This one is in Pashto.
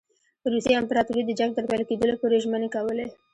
روسي امپراطوري د جنګ تر پیل کېدلو پوري ژمنې کولې.